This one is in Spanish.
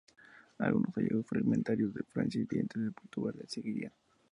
Algunos hallazgos fragmentarios de Francia y dientes de Portugal le seguirían.